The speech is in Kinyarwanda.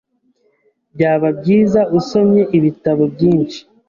Byaba byiza usomye ibitabo byinshi.